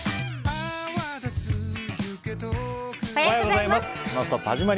おはようございます。